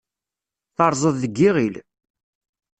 Terrẓeḍ deg yiɣil.